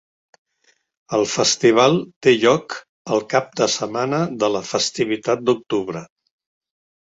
El festival té lloc el cap de setmana de la festivitat d'octubre.